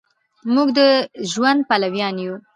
مونږ د ژوند پلویان یو